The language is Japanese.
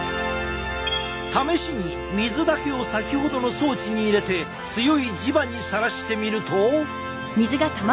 試しに水だけを先ほどの装置に入れて強い磁場にさらしてみると。